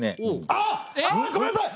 あっあっごめんなさい！